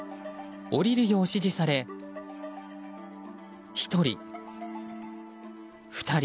降りるよう指示され１人、２人。